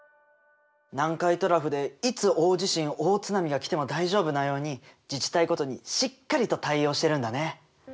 南海トラフでいつ大地震大津波が来ても大丈夫なように自治体ごとにしっかりと対応してるんだね。